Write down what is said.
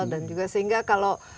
dan juga sehingga kalau